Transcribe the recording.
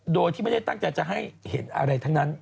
โดยที่ไม่ได้ตั้งใจจะให้เห็นอะไรทั้งนั้น